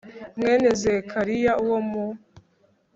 mwene zekariya wo mu